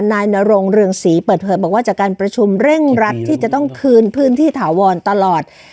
นายนรงเรืองศรีเปิดเผยบอกว่าจากการประชุมเร่งรัดที่จะต้องคืนพื้นที่ถาวรตลอด